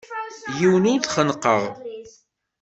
Yiwen ur t-xennqeɣ.